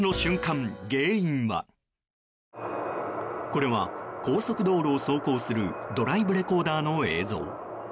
これは高速道路を走行するドライブレコーダーの映像。